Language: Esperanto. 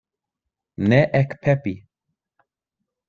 Ne ekpepi!